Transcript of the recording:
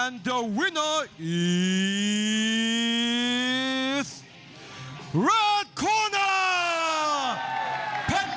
และเจอร์เป็น